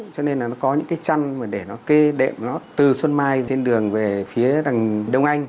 cho nên là nó có những cái chăn mà để nó kê đệm nó từ xuân mai trên đường về phía đằng đông anh